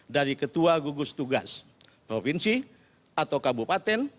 dari ketua gugus tugas provinsi atau kabupaten